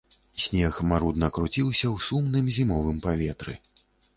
Снег марудна круціўся ў сумным зімовым паветры.